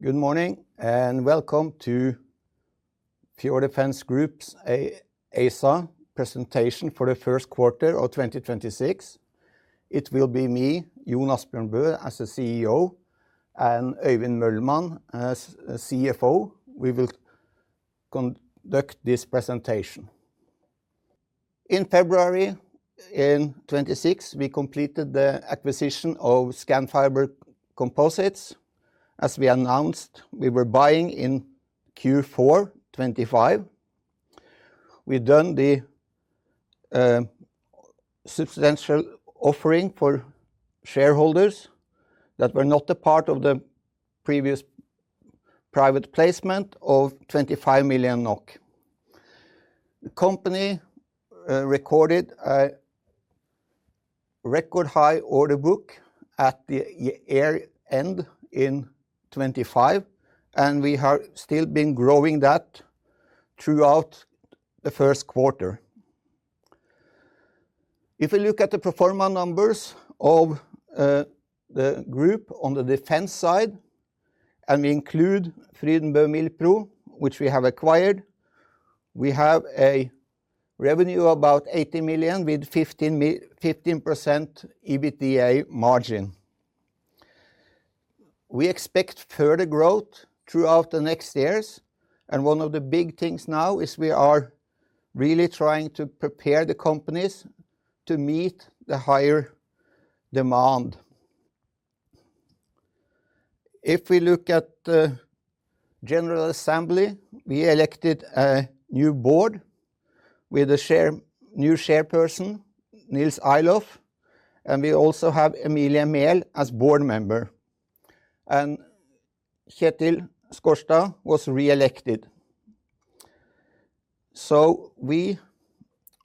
Good morning, and welcome to Fjord Defence Group's ASA presentation for the Q1 of 2026. It will be me, Jon Asbjørn Bø, as the CEO, and Øyvind Mølmann as CFO. We will conduct this presentation. In February 2026, we completed the acquisition of Scanfiber Composites. As we announced, we were buying in Q4 2025. We've done the substantial offering for shareholders that were not a part of the previous private placement of 25 million NOK. The company recorded a record high order book at the year-end 2025, and we have still been growing that throughout the Q1. If we look at the pro forma numbers of the group on the defense side, and we include Frydenbø Milpro, which we have acquired, we have a revenue about 80 million, with 15% EBITDA margin. We expect further growth throughout the next years, and one of the big things now is we are really trying to prepare the companies to meet the higher demand. If we look at the general assembly, we elected a new board with a new chairperson, Niels Ihloff. We also have Emilie Mehl as board member. Ketil Skorstad was re-elected. We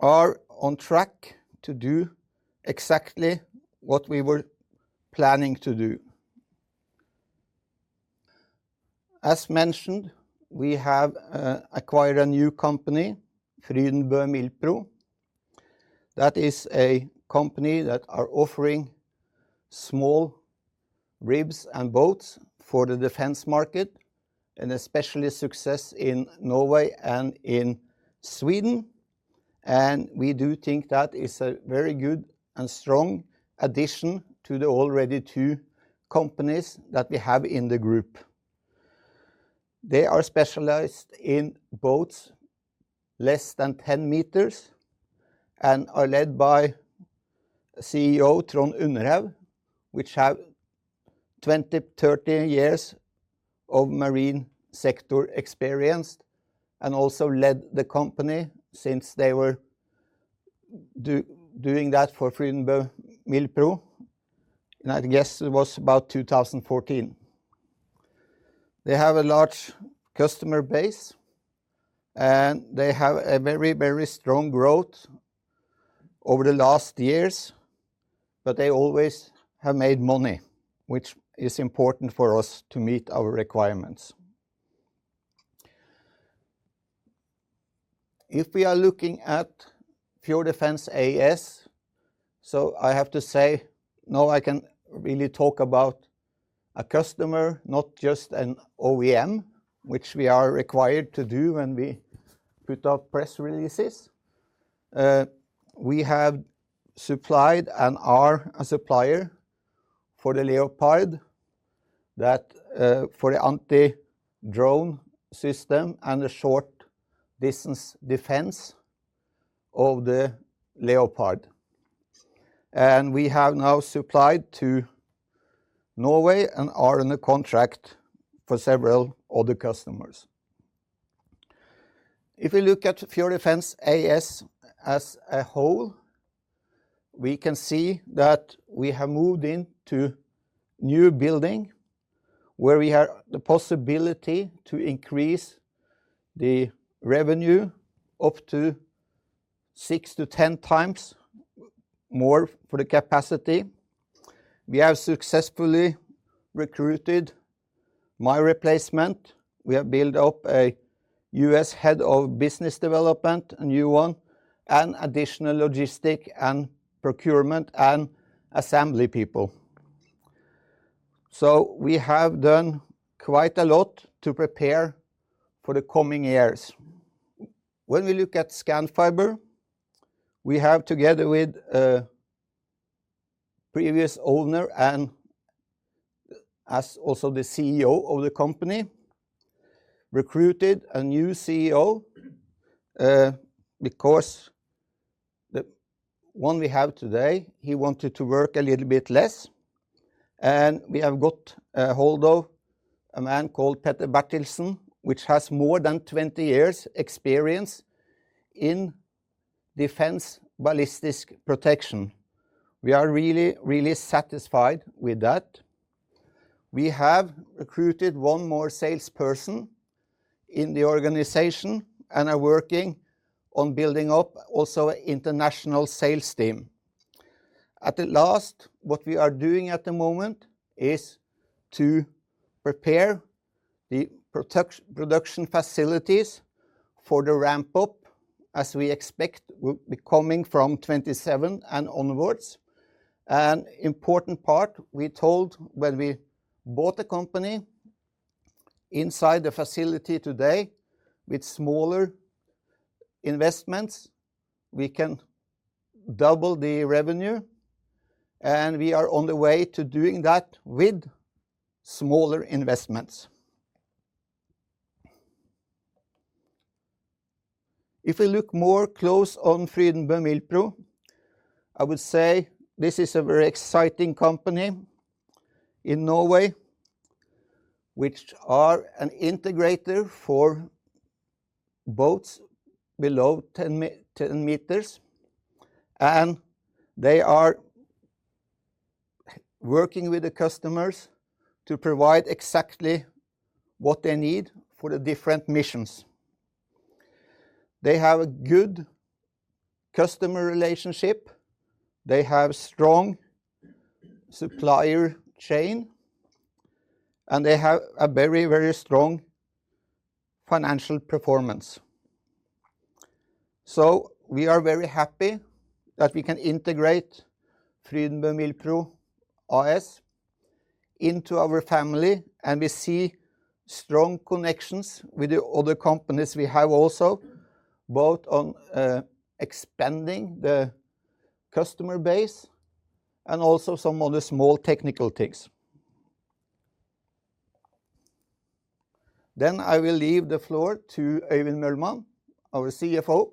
are on track to do exactly what we were planning to do. As mentioned, we have acquired a new company, Frydenbø Milpro. That is a company that are offering small RIBs and boats for the defense market, and especially success in Norway and in Sweden. We do think that is a very good and strong addition to the already two companies that we have in the group. They are specialized in boats less than 10 meters and are led by CEO Trond Unnerud, which have 20, 30 years of marine sector experience and also led the company since they were doing that for Frydenbø Milpro in, I guess it was about 2014. They have a large customer base, and they have a very strong growth over the last years. They always have made money, which is important for us to meet our requirements. If we are looking at Fjord Defence AS, I have to say now I can really talk about a customer, not just an OEM, which we are required to do when we put out press releases. We have supplied and are a supplier for the Leopard, that for the anti-drone system and the short distance defense of the Leopard. We have now supplied to Norway and are in a contract for several other customers. We look at Fjord Defence AS as a whole, we can see that we have moved into new building where we have the possibility to increase the revenue up to 6 to 10 times more for the capacity. We have successfully recruited my replacement. We have built up a U.S. head of business development, a new one, and additional logistic and procurement and assembly people. We have done quite a lot to prepare for the coming years. We look at Scanfiber, we have, together with previous owner and as also the CEO of the company, recruited a new CEO, because the one we have today, he wanted to work a little bit less. We have got hold of a man called Petter Bertilsson, which has more than 20 years' experience in defense ballistic protection. We are really satisfied with that. We have recruited one more salesperson in the organization and are working on building up also international sales team. What we are doing at the moment is to prepare the production facilities for the ramp-up, as we expect will be coming from 2027 and onwards. An important part we told when we bought the company inside the facility today with smaller investments, we can double the revenue, and we are on the way to doing that with smaller investments. If we look closer on Frydenbø Milpro, I will say this is a very exciting company in Norway, which are an integrator for boats below 10 meters. They are working with the customers to provide exactly what they need for the different missions. They have a good customer relationship, they have strong supplier chain, and they have a very strong financial performance. We are very happy that we can integrate Frydenbø Milpro AS into our family, and we see strong connections with the other companies we have also, both on expanding the customer base and also some of the small technical things. I will leave the floor to Øyvind Mølmann, our CFO.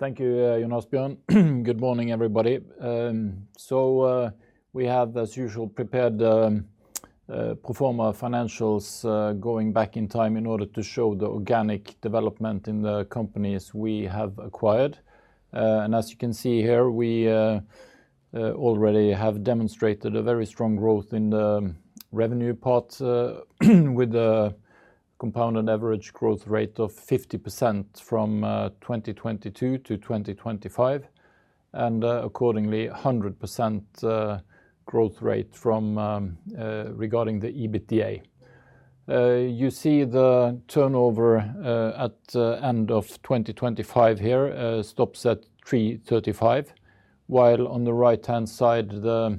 Thank you, Jon Asbjørn Bø. Good morning, everybody. We have, as usual, prepared pro forma financials going back in time in order to show the organic development in the companies we have acquired. As you can see here, we already have demonstrated a very strong growth in the revenue part with a compounded average growth rate of 50% from 2022 to 2025, and accordingly, 100% growth rate regarding the EBITDA. You see the turnover at end of 2025 here stops at 335, while on the right-hand side, the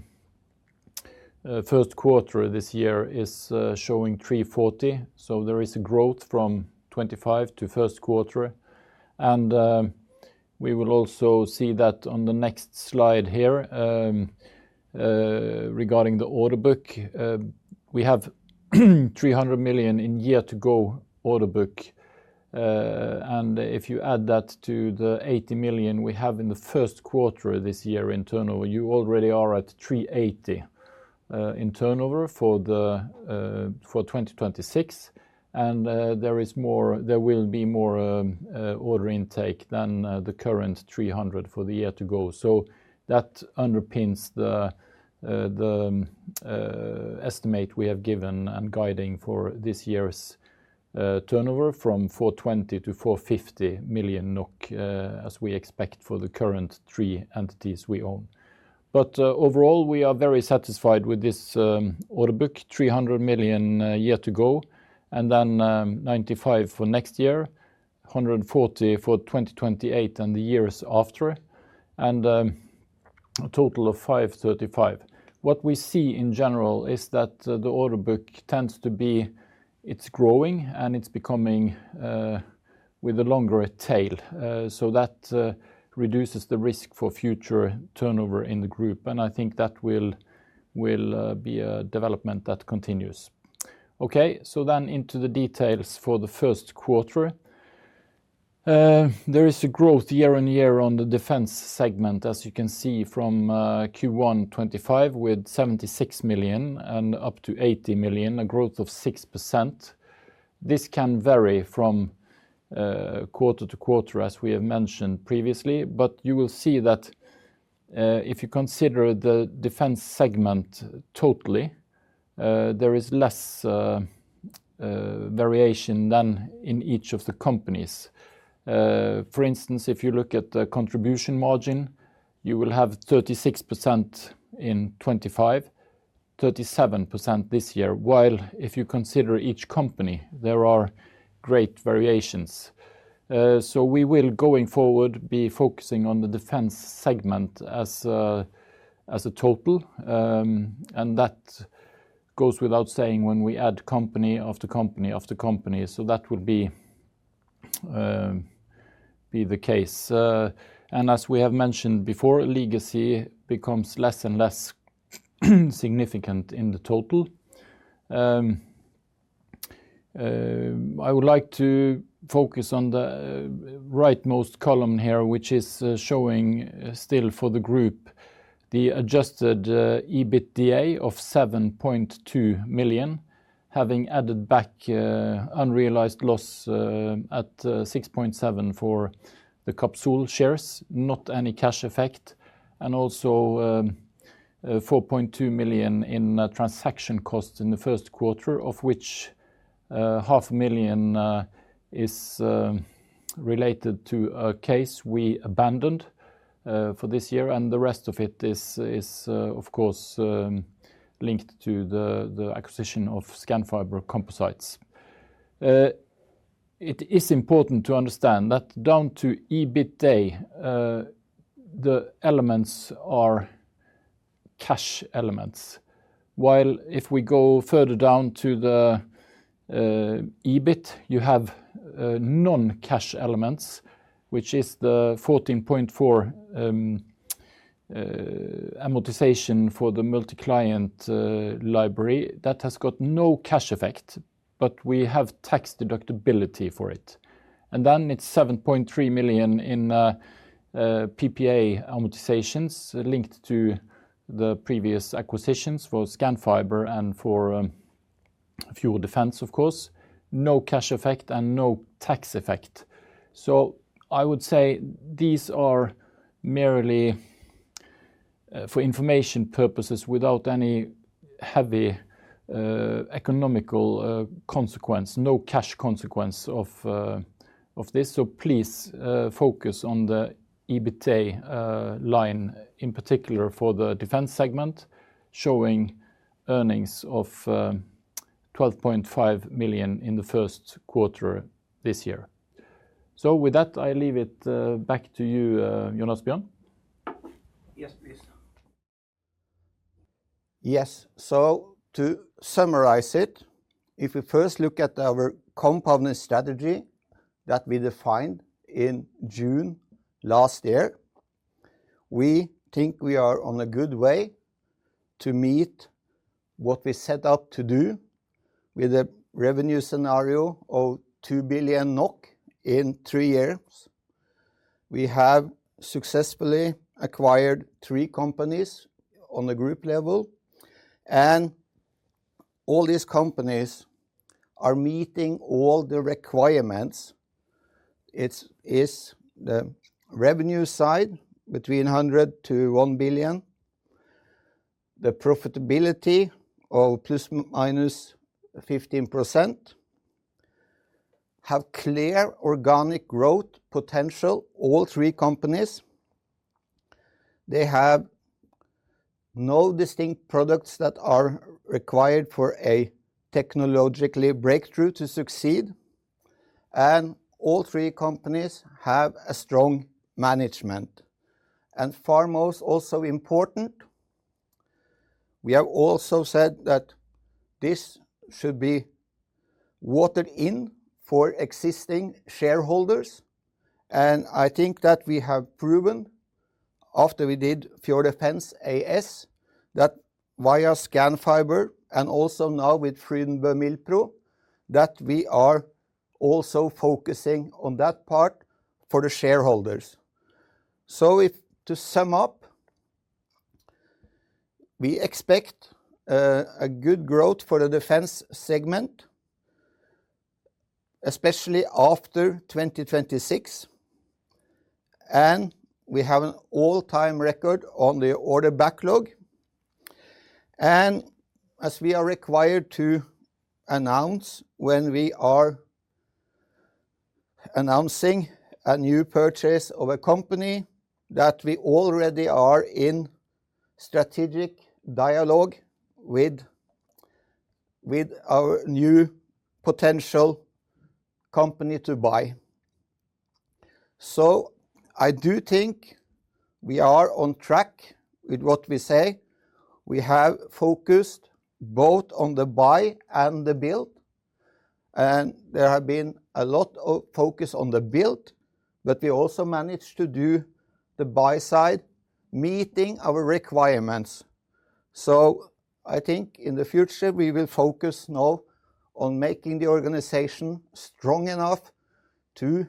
Q1 this year is showing 340. There is a growth from 2025 to Q1. We will also see that on the next slide here regarding the order book. We have 300 million in year-to-go order book. If you add that to the 80 million, we have in the Q1 this year in turnover, you already are at 380 million in turnover for 2026. There will be more order intake than the current 300 million for the year to go. That underpins the estimate we have given and guiding for this year's turnover from 420-450 million NOK, as we expect for the current three entities we own. Overall, we are very satisfied with this order book, 300 million a year to go, and then 95 million for next year, 140 million for 2028 and the years after, and a total of 535 million. What we see in general is that the order book tends to be, it is growing and it is becoming with a longer tail. That reduces the risk for future turnover in the group, and I think that will be a development that continues. Into the details for the Q1. There is a growth year-over-year on the Defense Segment, as you can see from Q1 2025 with 76 million and up to 80 million, a growth of 6%. This can vary quarter-over-quarter, as we have mentioned previously, but you will see that if you consider the Defense Segment totally, there is less variation than in each of the companies. For instance, if you look at the contribution margin, you will have 36% in 2025, 37% this year, while if you consider each company, there are great variations. We will, going forward, be focusing on the Defense Segment as a total, and that goes without saying when we add company after company after company. That would be the case. As we have mentioned before, legacy becomes less and less significant in the total. I would like to focus on the rightmost column here, which is showing still for the group, the adjusted EBITDA of 7.2 million, having added back unrealized loss at 6.7 for the Capsol shares, not any cash effect, and also 4.2 million in transaction costs in the Q1, of which half a million NOK is related to a case we abandoned for this year and the rest of it is of course linked to the acquisition of Scanfiber Composites. It is important to understand that down to EBITA, the elements are cash elements. While if we go further down to the EBIT, you have non-cash elements, which is the 14.4 amortization for the multi-client library that has got no cash effect, but we have tax deductibility for it. Then it's 7.3 million in PPA amortizations linked to the previous acquisitions for Scanfiber and for Fjord Defence, of course. No cash effect and no tax effect. I would say these are merely for information purposes without any heavy economical consequence, no cash consequence of this. Please focus on the EBITA line, in particular for the defense segment, showing earnings of 12.5 million in the Q1 this year. With that, I leave it back to you, Jon Asbjørn Bø. Yes, please. Yes, to summarize it, if we first look at our compounding strategy that we defined in June last year, we think we are on a good way to meet what we set out to do with a revenue scenario of 2 billion NOK in three years. We have successfully acquired three companies on the group level. All these companies are meeting all the requirements. It is the revenue side between 100-1 billion. The profitability of ±15%. Have clear organic growth potential, all three companies. They have no distinct products that are required for a technologically breakthrough to succeed. All three companies have a strong management. Foremost, also important, we have also said that this should be watered in for existing shareholders, and I think that we have proven after we did Fjord Defence AS that via Scanfiber and also now with Frydenbø Milpro, that we are also focusing on that part for the shareholders. To sum up, we expect a good growth for the defense segment, especially after 2026. We have an all-time record on the order backlog. As we are required to announce when we are announcing a new purchase of a company that we already are in strategic dialogue with our new potential company to buy. I do think we are on track with what we say. We have focused both on the buy and the build, and there have been a lot of focus on the build, but we also managed to do the buy side, meeting our requirements. I think in the future, we will focus now on making the organization strong enough to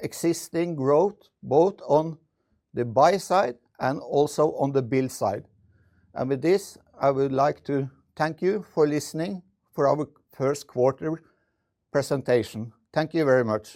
existing growth, both on the buy side and also on the build side. With this, I would like to thank you for listening for our Q1 presentation. Thank you very much